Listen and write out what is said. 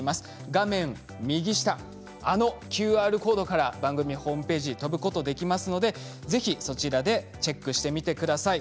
画面右下、あのＱＲコードから番組ホームページに飛ぶことができますのでぜひそちらでチェックしてみてください。